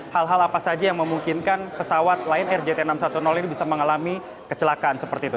hal hal apa saja yang memungkinkan pesawat lion air jt enam ratus sepuluh ini bisa mengalami kecelakaan seperti itu